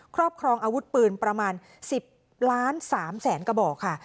ครอบครองอาวุธปืนประมาณ๑๐๓๐๐๐๐๐กระเบาะค่ะ